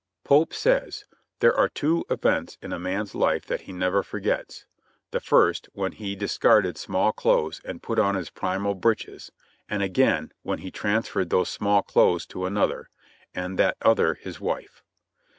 Pope says : "There are two events in a man's life that he never forgets : the first, when he discarded small clothes and put on his primal breeches, and again when he transferred those small clothes to another, and that other his wife."